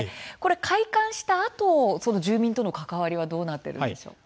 開館したあと住民との関わりはどうなっているんでしょうか。